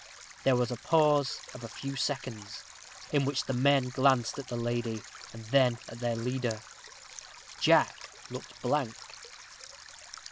There was a pause of a few seconds, in which the men glanced at the lady, and then at their leader. Jack looked blank.